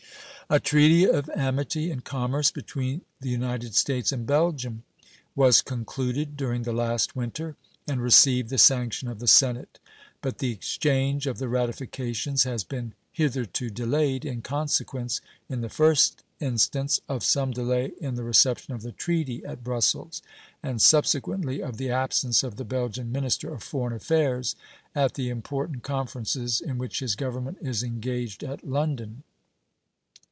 A treaty of amity and commerce between the United States and Belgium was concluded during the last winter and received the sanction of the Senate, but the exchange of the ratifications has been hitherto delayed, in consequence, in the first instance, of some delay in the reception of the treaty at Brussels, and, subsequently, of the absence of the Belgian minister of foreign affairs at the important conferences in which his Government is engaged at London.